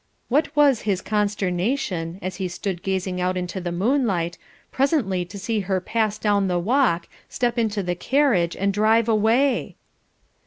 What was his consternation, as he stood gazing out into the moonlight, presently to see her pass down the walk, step into the carriage and drive away!